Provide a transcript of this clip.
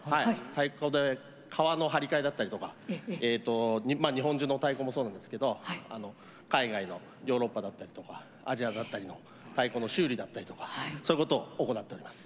太鼓で皮の張り替えだったりとかえと日本中の太鼓もそうなんですけど海外のヨーロッパだったりとかアジアだったりの太鼓の修理だったりとかそういうことを行っております。